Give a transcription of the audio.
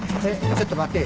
ちょっと待て。